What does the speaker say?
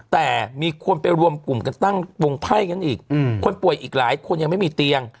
แต่มีคนไปรวมกลุ่มกันตั้งวงไพ่กันอีกคนป่วยอีกหลายคนยังไม่มีเตียง